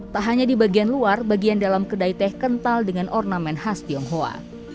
tak hanya di bagian luar bagian dalam kedai teh kental dengan ornamen khas tionghoa